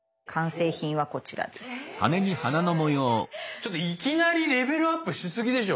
ちょっといきなりレベルアップしすぎでしょ？